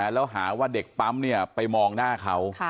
แล้วหาว่าเด็กปั๊มไปมองหน้าเขา